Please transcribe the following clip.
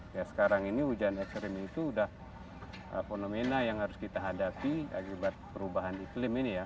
ya sekarang ini hujan ekstrim itu sudah fenomena yang harus kita hadapi akibat perubahan iklim ini ya